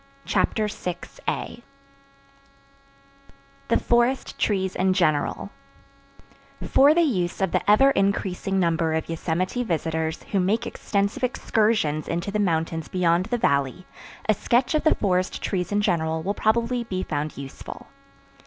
Chapter 6 The Forest Trees in General For the use of the ever increasing number of Yosemite visitors who make extensive excursions into the mountains beyond the Valley, a sketch of the forest trees in general will probably be found useful.